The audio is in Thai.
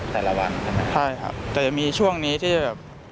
แต่ละวันใช่ครับแต่มีช่วงนี้ที่จะแบบ